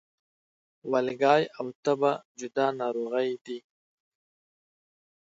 والګی او تبه جدا ناروغي دي